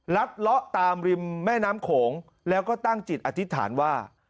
เลาะตามริมแม่น้ำโขงแล้วก็ตั้งจิตอธิษฐานว่า